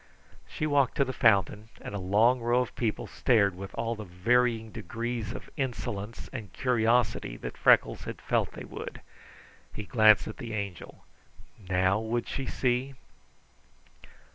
She walked to the fountain, and a long row of people stared with all the varying degrees of insolence and curiosity that Freckles had felt they would. He glanced at the Angel. NOW would she see?